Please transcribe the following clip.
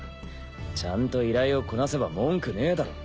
ちゃんと依頼をこなせば文句ねえだろ？